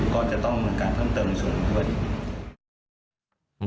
ก็จะต้องการเพิ่มเติมส่วนครับ